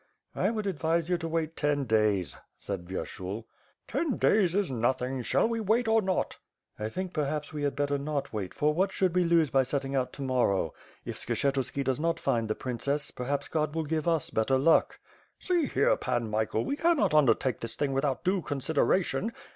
"I would advise you to wait ten days," said Vyershul. "Ten days is nothing. Shall we wait or not?" "I think perhaps we had better not wait, for what should we lose by setting out to morrow? If Skshetuski does not find the princess, perhaps God will give us better luck." "See here. Pan Michael, we cannot undertake this thing without due consideration.